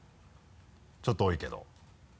ちょっと多いけど。